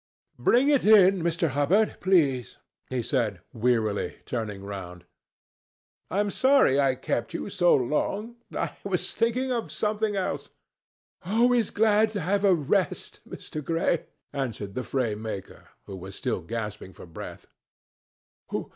"Bring it in, Mr. Hubbard, please," he said, wearily, turning round. "I am sorry I kept you so long. I was thinking of something else." "Always glad to have a rest, Mr. Gray," answered the frame maker, who was still gasping for breath.